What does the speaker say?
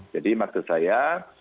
jadi maksud saya